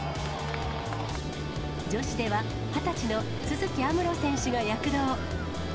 女子では２０歳の都筑有夢路選手が躍動。